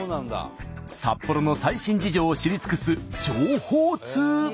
札幌の最新事情を知り尽くす情報通。